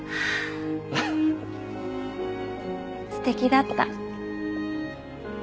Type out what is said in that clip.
すてきだった。